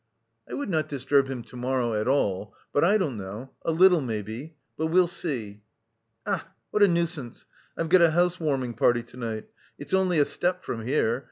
"I would not disturb him to morrow at all, but I don't know... a little, maybe... but we'll see." "Ach, what a nuisance! I've got a house warming party to night; it's only a step from here.